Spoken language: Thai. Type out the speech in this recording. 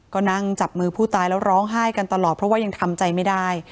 ก็นั่งจับมือผู้ตายแล้วร้องไห้กันตลอดเพราะว่ายังทำใจไม่ได้